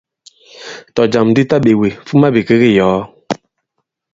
Tɔ̀jàm di taɓēwe, fuma bìkek i yɔ̀ɔ.